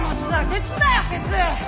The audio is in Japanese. ケツだよケツ！